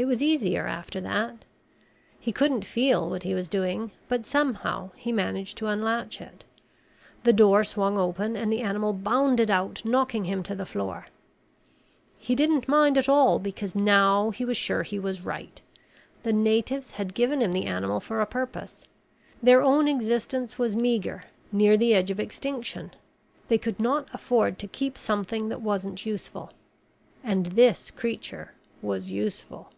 It was easier after that. He couldn't feel what he was doing, but somehow he managed to unlatch it. The door swung open and the animal bounded out, knocking him to the floor. He didn't mind at all because now he was sure he was right. The natives had given him the animal for a purpose. Their own existence was meager, near the edge of extinction. They could not afford to keep something that wasn't useful. And this creature was useful.